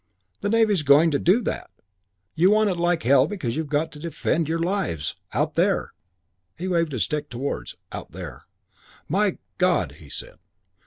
The Navy's going to do that. You want it like hell because you've got to defend your lives out there." He waved his stick towards "out there." "My God!" he said.